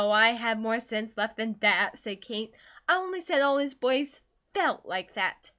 I had more sense left than that," said Kate. "I only said all his boys FELT like that.